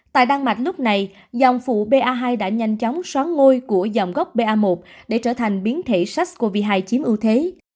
tại đan mạch lúc này dòng phụ ba hai đã nhanh chóng xóa ngôi của dòng gốc ba để trở thành biến thể sars cov hai chiếm ưu thế